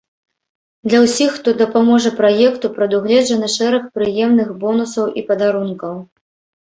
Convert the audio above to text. Для ўсіх, хто дапаможа праекту, прадугледжаны шэраг прыемных бонусаў і падарункаў.